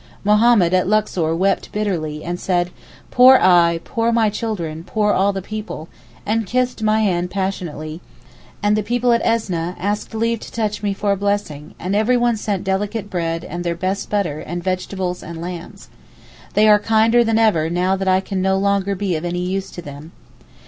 Mohammed at Luxor wept bitterly and said, 'poor I, my poor children, poor all the people,' and kissed my hand passionately, and the people at Esneh, asked leave to touch me 'for a blessing,' and everyone sent delicate bread, and their best butter, and vegetables and lambs. They are kinder than ever now that I can no longer be of any use to them.